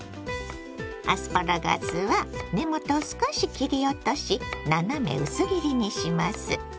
アスパラガスは根元を少し切り落とし斜め薄切りにします。